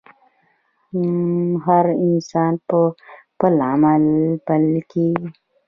هر انسان پۀ خپل عمل بللے کيږي